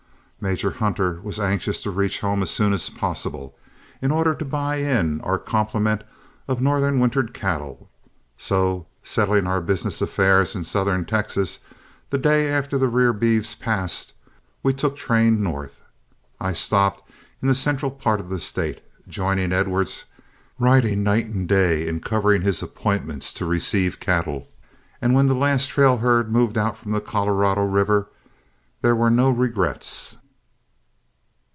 Major Hunter was anxious to reach home as soon as possible, in order to buy in our complement of northern wintered cattle; so, settling our business affairs in southern Texas, the day after the rear beeves passed we took train north. I stopped in the central part of the State, joining Edwards riding night and day in covering his appointments to receive cattle; and when the last trail herd moved out from the Colorado River there were no regrets.